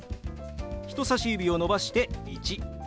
人さし指を伸ばして「１」。